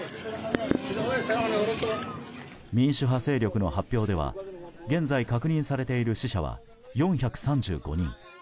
民主派勢力の発表では現在、確認されている死者は４３５人。